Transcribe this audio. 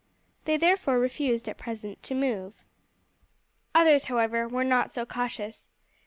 They therefore refused at present to move. Others, however, were not so cautious.